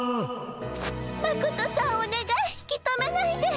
マコトさんおねがい引き止めないで。